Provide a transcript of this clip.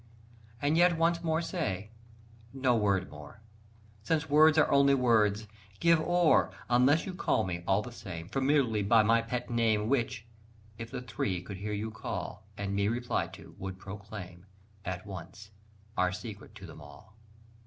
And yet once more say ... no word more! Since words are only words. Give o'er! Unless you call me, all the same, Familiarly by my pet name Which, if the Three should hear you call, And me reply to, would proclaim At once our secret to them all.